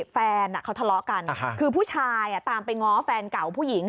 แฟนเขาทะเลาะกันคือผู้ชายตามไปง้อแฟนเก่าผู้หญิง